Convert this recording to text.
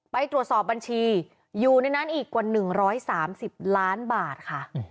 ไปตรวจสอบบัญชีอยู่ในนั้นอีกกว่า๑๓๐ล้านบาทค่ะ